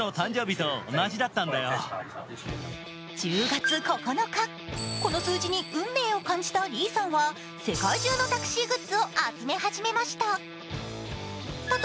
１０月９日、この数字に運命を感じた李さんは世界中のタクシーグッズを集め始めました。